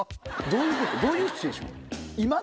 どういうシチュエーション？